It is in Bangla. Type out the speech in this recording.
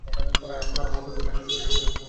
কারো মতে দুনিয়ার হিসাবের একদিনের কিছু অংশ।